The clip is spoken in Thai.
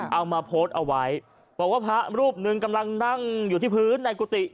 เอามาโพสต์เอาไว้บอกว่าพระรูปหนึ่งกำลังนั่งอยู่ที่พื้นในกุฏิ